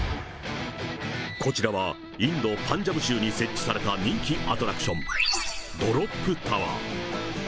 こちらはインド・パンジャブ州に設置された人気アトラクション、ドロップタワー。